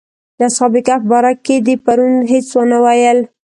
د اصحاب کهف باره کې دې پرون هېڅ ونه ویل.